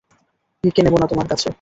ভিক্ষে নেব না তোমার কাছে।